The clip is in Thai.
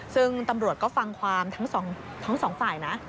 ซึ่งตำรวจก็ฟังความทั้งสองฝ่ายนะ